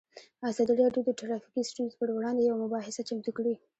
ازادي راډیو د ټرافیکي ستونزې پر وړاندې یوه مباحثه چمتو کړې.